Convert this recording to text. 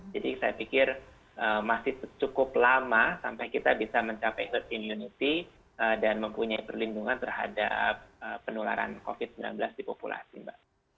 jadi saya pikir masih cukup lama sampai kita bisa mencapai herd immunity dan mempunyai perlindungan terhadap penularan covid sembilan belas di populasi mbak